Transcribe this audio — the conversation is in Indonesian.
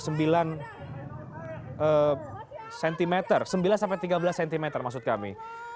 sembilan sampai tiga belas cm maksud kami